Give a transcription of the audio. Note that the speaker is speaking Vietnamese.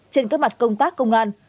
trên các mặt công tác công an